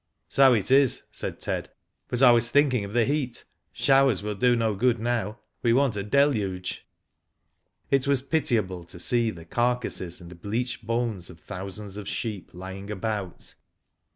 So it is," said Ted; "but I was thinking of the heat. Showers will do no good now; we want a deluge. It was pitiable to see the carcasses and bleached bones of thousands of sheep lying about.